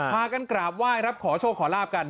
พากันกราบไหว้รับขอโชคขอลาบกัน